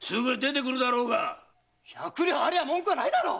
百両ありゃ文句はないだろう！